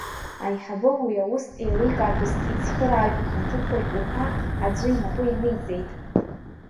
Аиҳабы уи аус еилкаатәыс ицхырааҩ, ихаҭыԥуаҩ уҳәа аӡәы инапы ианиҵеит.